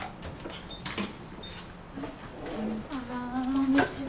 こんにちは。